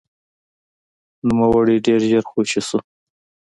نوموړی ډېر ژر خوشې شو.